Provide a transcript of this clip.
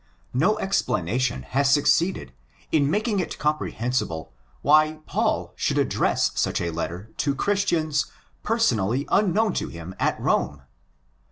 No explanation has suc ceeded in making it comprehensible why Paul should address such a "letter" to Christians personally unknown to him at Rome.